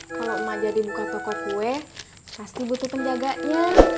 kalau emak jadi buka toko kue pasti butuh penjaganya